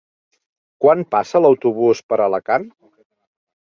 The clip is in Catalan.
Quan passa l'autobús per Alacant?